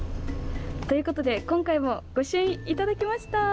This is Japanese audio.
ということで今回も御朱印いただきました！